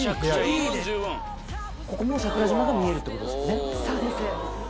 ここも桜島が見えるってことですね。